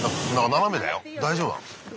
斜めだよ大丈夫なの？